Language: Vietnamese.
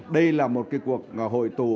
đây là một cuộc hội tù hết sức